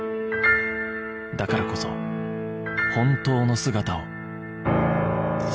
だからこそ本当の姿を